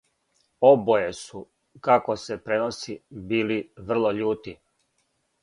Обоје су, како се преноси, били врло љути.